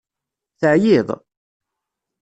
Teεyiḍ?